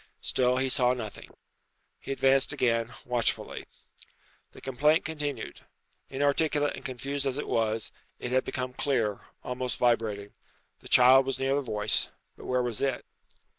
Still he saw nothing. He advanced again, watchfully. The complaint continued. Inarticulate and confused as it was, it had become clear almost vibrating. The child was near the voice; but where was it?